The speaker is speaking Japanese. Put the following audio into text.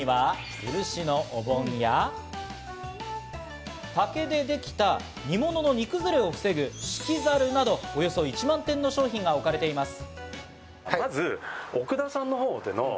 店内には漆のお盆や竹でできた煮物の煮崩れを防ぐ、しきざるなど、およそ１万点の商品が置かれています。